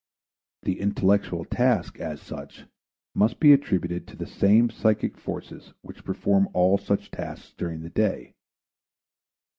The intellectual task as such must be attributed to the same psychic forces which perform all such tasks during the day.